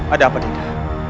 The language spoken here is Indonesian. ada apa dinda